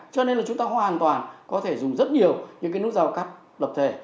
cho nên là chúng ta hoàn toàn có thể dùng rất nhiều những cái nút giao cắt lập thể